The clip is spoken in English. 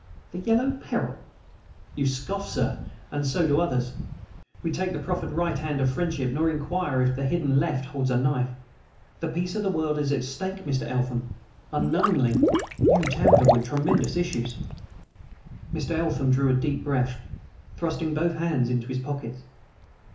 "The 'Yellow Peril'!" "You scoff, sir, and so do others. We take the proffered right hand of friendship nor inquire if the hidden left holds a knife! The peace of the world is at stake, Mr. Eltham. Unknowingly, you tamper with tremendous issues." Mr. Eltham drew a deep breath, thrusting both hands in his pockets.